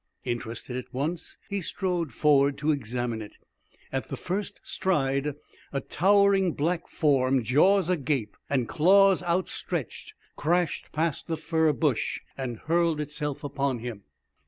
Interested at once, he strode forward to examine it. At the first stride a towering black form, jaws agape and claws outstretched, crashed past the fir bush and hurled itself upon him.